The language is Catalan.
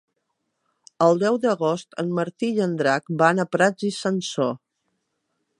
El deu d'agost en Martí i en Drac van a Prats i Sansor.